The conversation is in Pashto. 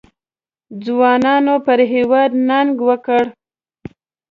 ځوانانو پر هېواد ننګ وکړ.